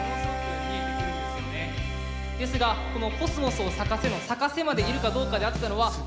ですがこの「コスモスを咲かせ」の「咲かせ」までいるかどうかであったのは。